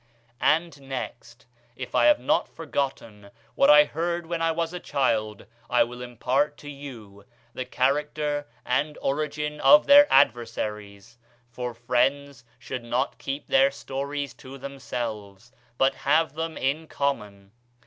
"And next, if I have not forgotten what I heard when I was a child, I will impart to you the character and origin of their adversaries; for friends should not keep their stories to themselves, but have them in common.